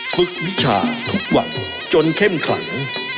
ฝึกวิชาทุกวันจนเข้มขลัง